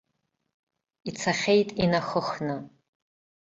Ицахьеит инахыхны.